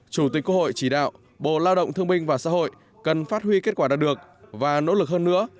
chủ tịch quốc hội chỉ đạo bộ lao động thương minh và xã hội cần phát huy kết quả đạt được và nỗ lực hơn nữa